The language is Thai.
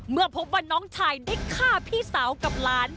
เมื่อพบว่าน้องชายได้ฆ่าพี่สาวกับหลาน